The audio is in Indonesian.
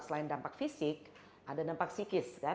selain dampak fisik ada dampak psikis kan